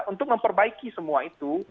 untuk memperbaiki semua itu